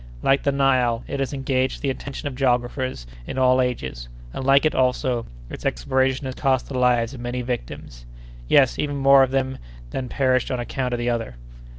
Like the Nile, it has engaged the attention of geographers in all ages; and like it, also, its exploration has cost the lives of many victims; yes, even more of them than perished on account of the other."